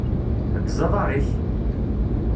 Ddez aḍaṛ-ik!